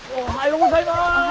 おはようございます。